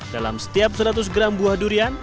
dalam setiap seratus gram buah durian